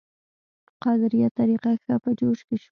قادریه طریقه ښه په جوش کې شوه.